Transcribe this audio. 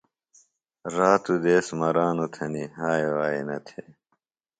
راتوۡ دیس مرانوۡ تھنیۡ ہائے وائے نہ تھے۔